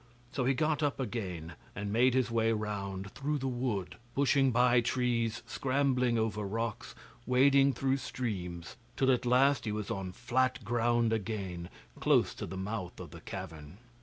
So he got up again, and made his way round through the wood, pushing by trees, scrambling over rocks, wading through streams, till at last he was on flat ground again, close to the mouth of the cavern.